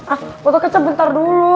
ah botol kecap bentar dulu